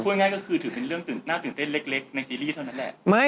ง่ายก็คือถือเป็นเรื่องน่าตื่นเต้นเล็กในซีรีส์เท่านั้นแหละ